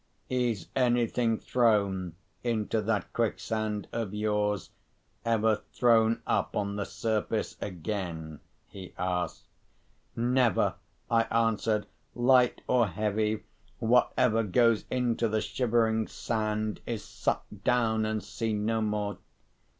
"Is anything thrown into that quicksand of yours, ever thrown up on the surface again?" he asked. "Never," I answered. "Light or heavy whatever goes into the Shivering Sand is sucked down, and seen no more."